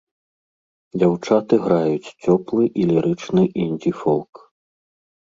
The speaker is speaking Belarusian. Дзяўчаты граюць цёплы і лірычны індзі-фолк.